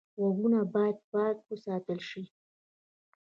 غوږونه باید پاک وساتل شي